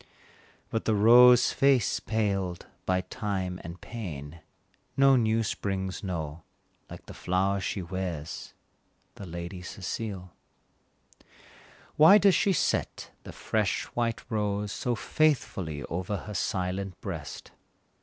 But the rose face paled by time and pain, No new springs know, like the flower she wears, The Lady Cecile. Why does she set the fresh white rose So faithfully over her silent breast?